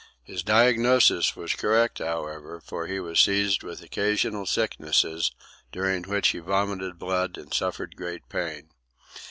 His diagnosis was correct, however, for he was seized with occasional sicknesses, during which he vomited blood and suffered great pain.